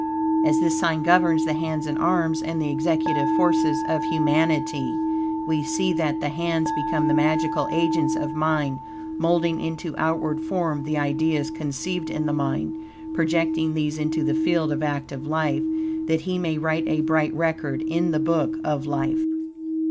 As this sign governs the hands and arms and the executive forces of humanity, we see, that, the hands become the magical agents of mind, moulding into outward form the ideas conceived in the mind, projecting these into the field of active life, that he may write a bright record in the Book of Life.